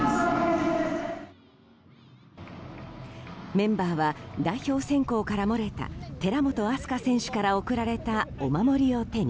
メンバーは代表選考から漏れた寺本明日香選手から贈られたお守りを手に